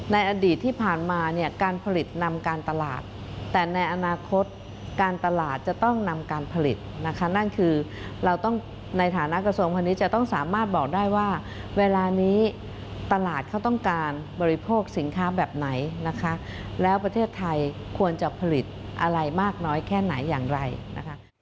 ในอดีตที่ผ่านมาเนี่ยการผลิตนำการตลาดแต่ในอนาคตการตลาดจะต้องนำการผลิตนะคะนั่นคือเราต้องในฐานะกระทรวงคนนี้จะต้องสามารถบอกได้ว่าเวลานี้ตลาดเขาต้องการบริโภคสินค้าแบบไหนนะคะแล้วประเทศไทยควรจะผลิตอะไรมากน้อยแค่ไหนอย่างไรนะคะ